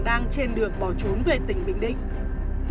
đang trên đường bỏ trốn về tỉnh bình định